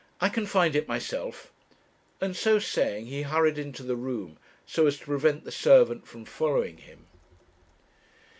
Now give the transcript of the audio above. I can find it myself;' and, so saying, he hurried into the room, so as to prevent the servant from following him.